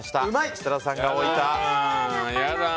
設楽さんが置いた。